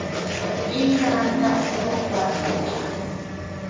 I na ntap tuo kwer i njap.